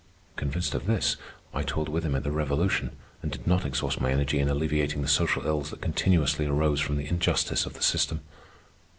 Convinced of this, I toiled with him at the revolution, and did not exhaust my energy in alleviating the social ills that continuously arose from the injustice of the system.